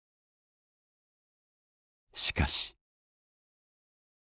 しかし。